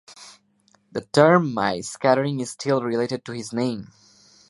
The term Mie scattering is still related to his name.